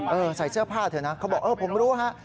ใส่เสื้อผ้าเธอนะเขาบอกเออผมรู้ฮะ